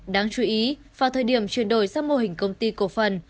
đáng chú ý vào thời điểm chuyển đổi sang mô hình công ty cổ phần